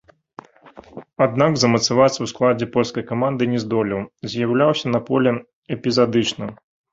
Аднак, замацавацца ў складзе польскай каманды не здолеў, з'яўляўся на полі эпізадычна.